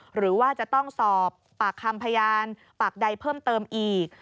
หรือว่าจะต้องสอบปากคำพยานปากใดเพิ่มเติมอีก